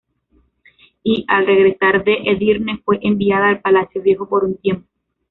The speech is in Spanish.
Y, al regresar de Edirne, fue enviada al Palacio Viejo por un tiempo.